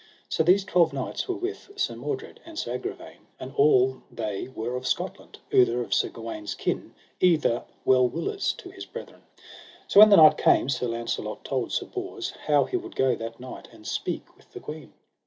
So these twelve knights were with Sir Mordred and Sir Agravaine, and all they were of Scotland, outher of Sir Gawaine's kin, either well willers to his brethren. So when the night came, Sir Launcelot told Sir Bors how he would go that night and speak with the queen.